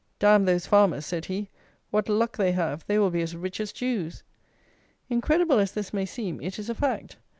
"D n those farmers," said he, "what luck they have! They will be as rich as Jews!" Incredible as this may seem, it is a fact.